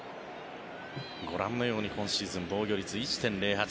ご覧のように今シーズン、防御率１．０８。